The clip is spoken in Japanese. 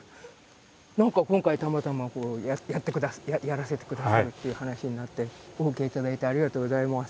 何か今回たまたまやってくださってやらせてくださるっていう話になってお受けいただいてありがとうございます。